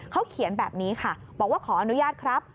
เขาเขียนแบบนี้ค่ะบอกว่าขออนุญาตครับ